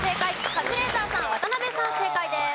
カズレーザーさん渡辺さん正解です。